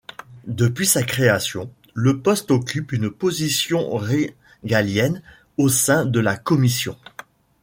Depuis sa création, le poste occupe une position régalienne au sein de la Commission.